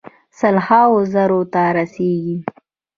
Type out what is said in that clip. سل هاوو زرو ته رسیږي.